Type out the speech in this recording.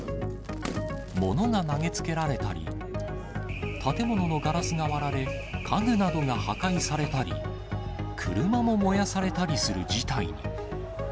物が投げつけられたり、建物のガラスが割られ、家具などが破壊されたり、車も燃やされたりする事態に。